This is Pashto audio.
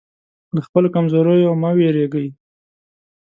له خپلو کمزوریو مه وېرېږئ.